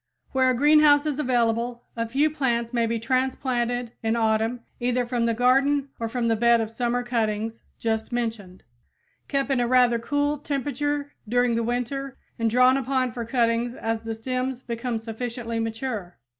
Where a greenhouse is available, a few plants may be transplanted in autumn either from the garden or from the bed of summer cuttings just mentioned, kept in a rather cool temperature during the winter and drawn upon for cuttings as the stems become sufficiently mature.